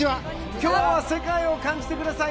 今日は世界を感じてください。